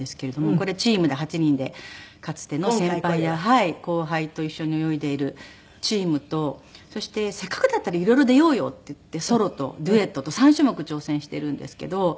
これチームで８人でかつての先輩や後輩と一緒に泳いでいるチームとそしてせっかくだったら色々出ようよっていってソロとデュエットと３種目挑戦しているんですけど。